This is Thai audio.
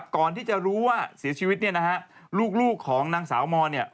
ก่อนที่จะรู้ว่าเสียชีวิตลูกของนางสาวหมอนี่